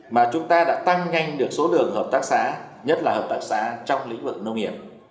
mà chúng ta đã tăng nhanh được số lượng hợp tác xã nhất là hợp tác xã trong lĩnh vực nông nghiệp